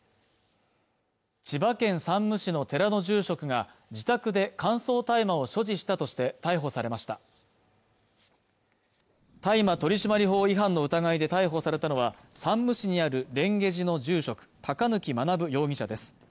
千葉県山武市の寺の住職が自宅で乾燥大麻を所持したとして逮捕されました大麻取締法違反の疑いで逮捕されたのは山武市にある蓮華寺の住職・高貫学容疑者です